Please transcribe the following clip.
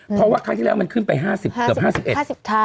เพราะว่าครั้งที่แล้วมันขึ้นไป๕๐เกือบ๕๑๕๐ครั้ง